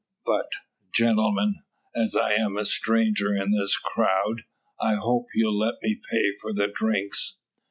But, gentlemen, as I'm the stranger in this crowd, I hope you'll let me pay for the drinks."